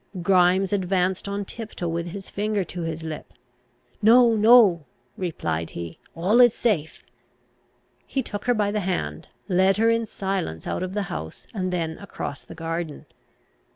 Grimes advanced on tiptoe with his finger to his lip. "No, no," replied he, "all is safe!" He took her by the hand, led her in silence out of the house, and then across the garden.